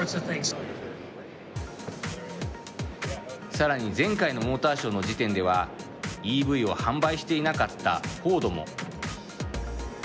さらに前回のモーターショーの時点ではＥＶを販売していなかったフォードも。